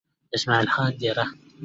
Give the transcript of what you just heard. اسمعيل خان ديره